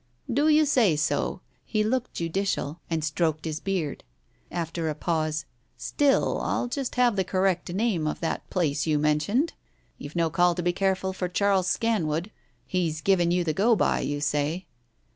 "Do you say so?" He looked judicial, and stroked his beard. After a pause — "Still, I'll just have the correct name of that last place you mentioned. ... You've no call to be careful for Charles Scan wood, he's given you the go by, you say.